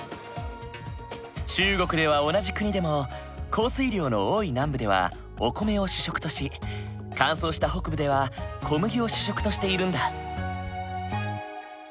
中国では同じ国でも降水量の多い南部ではお米を主食とし乾燥した北部では小麦を主食としているんだ。